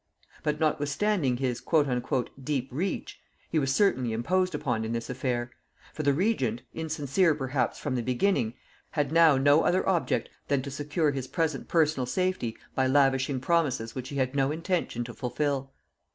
But notwithstanding his "deep reach," he was certainly imposed upon in this affair; for the regent, insincere perhaps from the beginning, had now no other object than to secure his present personal safety by lavishing promises which he had no intention to fulfil.